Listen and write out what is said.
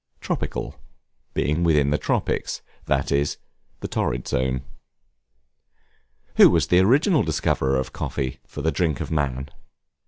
Tropical, being within the tropics, that is, in the Torrid Zone. Who was the original discoverer of Coffee, for the drink of man?